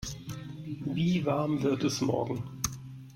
Wie warm wird es morgen?